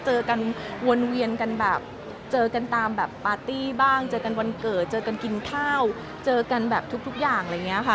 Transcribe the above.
เจอกันวนเวียนกันแบบเจอกันตามแบบปาร์ตี้บ้างเจอกันวันเกิดเจอกันกินข้าวเจอกันแบบทุกอย่างอะไรอย่างนี้ค่ะ